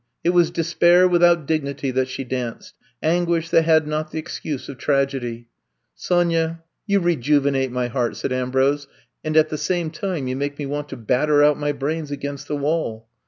It was despair without dignity that she danced ; anguish that had not the excuse of tragedy. Sonya, you rejuvenate my heart, said Ambrose, and at the same time you make me want to batter out my brains against the wall.